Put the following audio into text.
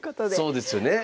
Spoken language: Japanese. そうですよね。